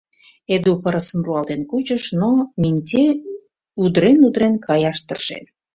Эду пырысым руалтен кучыш, но Минтье удырен-удырен каяш тыршен.